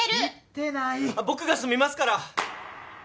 あっ僕が住みますから。